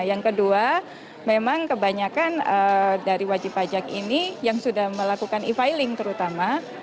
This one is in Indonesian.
yang kedua memang kebanyakan dari wajib pajak ini yang sudah melakukan e filing terutama